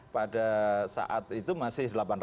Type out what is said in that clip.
pada saat itu masih delapan ratus